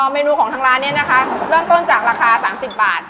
เมนูของทางร้านนี้นะคะเริ่มต้นจากราคา๓๐บาท